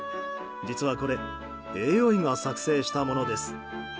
実は、これＡＩが作成したものです。